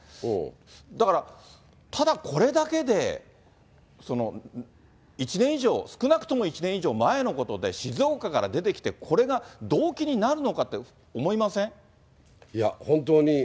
だから、ただ、これだけで、１年以上、少なくとも１年以上前のことで、静岡から出てきて、これが動機になるのかって思いません？